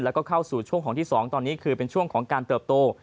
แล้วก็เข้าสู่ช่วงของที่๒ตอนนี้คือเป็นช่วงของการเติบโต